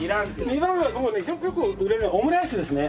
２番目はよく売れるのがオムライスですね。